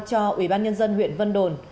cho ủy ban nhân dân huyện vân đồn